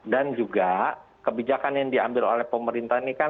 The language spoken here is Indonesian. dan juga kebijakan yang diambil oleh pemerintah ini kan